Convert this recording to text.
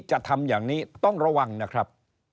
จะทำอย่างนี้ต้องระวังนะครับ